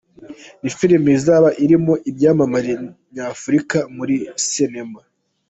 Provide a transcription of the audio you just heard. Ni filime izaba irimo ibyamamare nyafurika muri sinema.